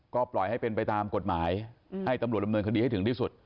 ก็ปล่อยให้เฟ็นไปตามกฏหมายให้ตำรวจลำเดินคติให้ถึงรีบ